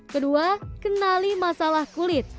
kedua kenali masalah kulit